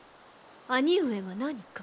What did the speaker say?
兄上が何か？